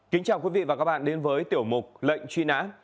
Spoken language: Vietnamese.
kính chào quý vị và các bạn đến với tiểu mục lệnh truy nã